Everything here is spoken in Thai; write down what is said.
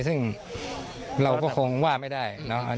ซึ่งเราก็คงว่าไม่ได้เนอะ